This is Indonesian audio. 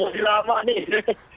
masih lama nih